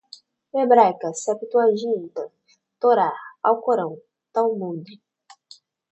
hebraica, septuaginta, torá, alcorão, talmude